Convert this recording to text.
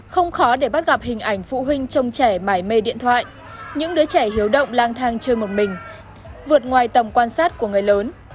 không khó để bắt gặp hình ảnh phụ huynh trông trẻ mải mê điện thoại những đứa trẻ hiếu động lang thang chơi một mình vượt ngoài tầm quan sát của người lớn